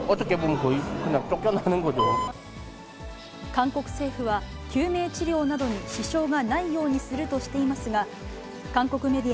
韓国政府は、救命治療などに支障がないようにするとしていますが、韓国メディ